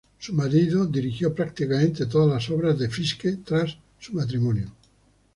Su marido dirigió prácticamente todas las obras de Fiske tras su matrimonio.